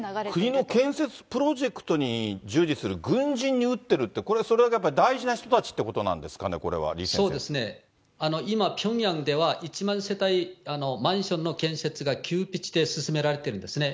国の建設プロジェクトに従事する軍人に打ってるって、これ、それだけやっぱり大事な人たちっていうことなんですかね、これ、そうですね、今ピョンヤンでは１万世帯、マンションの建設が急ピッチで進められているんですね。